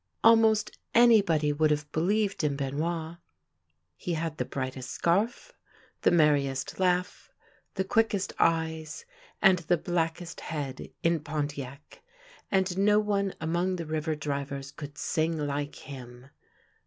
Almost anybody would have believed in Benoit. He had the brightest scarf, the merriest laugh, the quickest eyes, and the blackest head in Pontiac; and no one among the river drivers could sing like him.